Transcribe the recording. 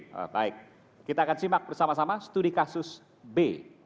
baik kita akan simak bersama sama studi kasus b